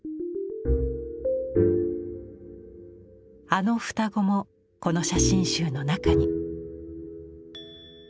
あの双子もこの写真集の中に。